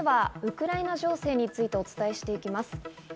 続いては、ウクライナ情勢についてお伝えしていきます。